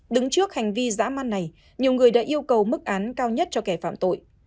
đứng trước hành vi giã man này nhiều người đã yêu cầu mức án cao nhất cho kẻ phạm tội